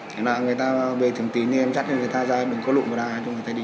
thế là người ta bê thường tín thì em chắc cho người ta ra đường có lụm vào đài để chúng ta có thể đi